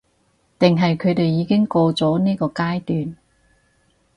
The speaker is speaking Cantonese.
定係佢哋已經過咗呢個階段？